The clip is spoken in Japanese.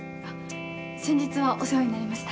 先日はお世話になりました。